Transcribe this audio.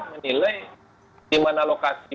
menilai di mana lokasi